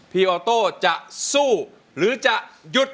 ออโต้จะสู้หรือจะหยุด